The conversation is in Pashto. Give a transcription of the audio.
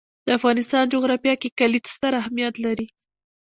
د افغانستان جغرافیه کې کلي ستر اهمیت لري.